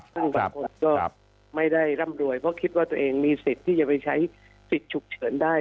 ซึ่งบางคนก็ไม่ได้ร่ำรวยเพราะคิดว่าตัวเองมีสิทธิ์ที่จะไปใช้สิทธิ์ฉุกเฉินได้